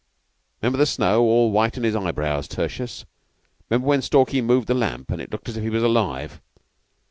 'Member the snow all white on his eyebrows, Tertius? 'Member when Stalky moved the lamp and it looked as if he was alive?"